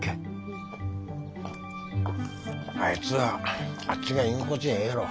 あいつはあっちが居心地がええんやろ。